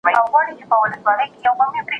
خو اسمان دی موږ ته یو بهار ټاکلی